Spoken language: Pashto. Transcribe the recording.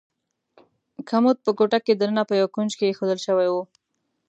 کمود په کوټه کې دننه په یو کونج کې ایښودل شوی و.